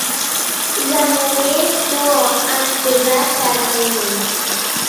De moment no han posat terminis.